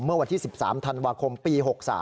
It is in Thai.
เมื่อวันที่๑๓ธันวาคมปี๖๓